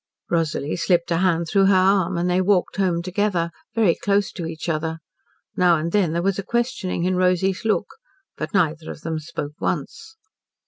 Rosalie slipped a hand through her arm, and they walked home together, very close to each other. Now and then there was a questioning in Rosy's look. But neither of them spoke once.